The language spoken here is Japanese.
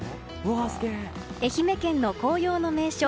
愛媛県の紅葉の名所